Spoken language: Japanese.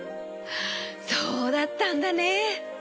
そうだったんだね。